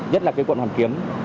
nhất là cái quận hoàn kiếm